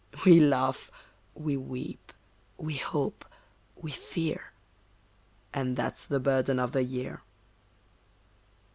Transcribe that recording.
We laugh, we weep, we hope, we fear, And that's the burden of the year.